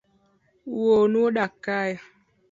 Wuonu odak kae?